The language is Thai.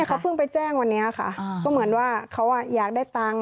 เขาเพิ่งไปแจ้งวันนี้ค่ะก็เหมือนว่าเขาอยากได้ตังค์